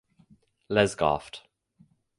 Lesgaft.